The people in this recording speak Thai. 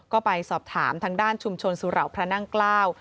ก็ไปสอบถามทางด้านชุมชนสุเหล่าพระนั่งเกล้า